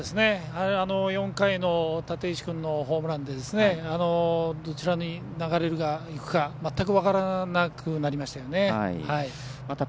４回の立石君のホームランでどちらに流れがいくか全く分からなくなりましたよね。